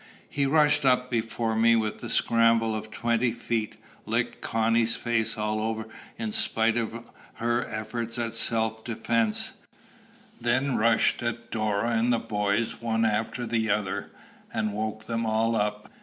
He rushed up before me with the scramble of twenty feet, licked Connie's face all over in spite of her efforts at self defence, then rushed at Dora and the boys one after the other, and woke them all up.